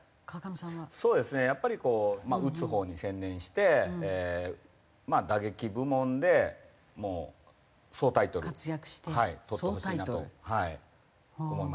やっぱりこう打つほうに専念して打撃部門でもう総タイトルとってほしいなと思いますね。